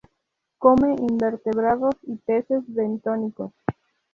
Come invertebrados y peces bentónicos.